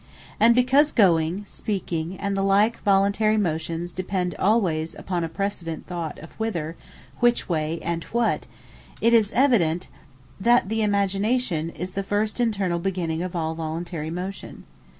And because Going, Speaking, and the like Voluntary motions, depend alwayes upon a precedent thought of Whither, Which Way, and What; it is evident, that the Imagination is the first internall beginning of all Voluntary Motion.